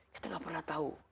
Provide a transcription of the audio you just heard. kita gak pernah tahu